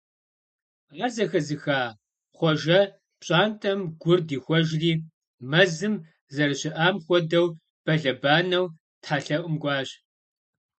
Ар зэхэзыха Хъуэжэ пщӀантӀэм гур дихуэжри, мэзым зэрыщыӀам хуэдэу, бэлэбанэу тхьэлъэӀум кӀуащ.